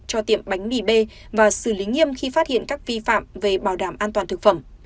cho tiệm bánh mì b và xử lý nghiêm khi phát hiện các vi phạm về bảo đảm an toàn thực phẩm